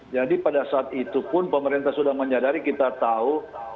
jadi pada saat itu pun pemerintah sudah menyadari kita tahu